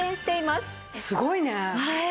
すごいね。